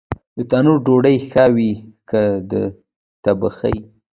د تنور ډوډۍ ښه وي که د تبخي؟